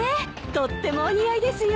とってもお似合いですよ。